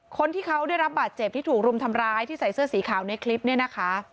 คนที่เขาได้รับบาดเจ็บที่ถูกรุมทำร้ายที่ใส่เสื้อสีขาวในคลิปเนี่ยนะคะ